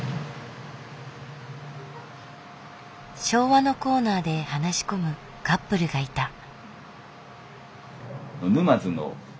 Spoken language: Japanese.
昭和のコーナーで話し込むカップルがいた。